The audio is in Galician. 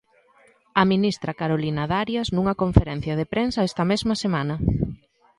A ministra Carolina Darias nunha conferencia de prensa esta mesma semana.